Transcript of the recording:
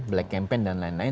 black campaign dan lain lain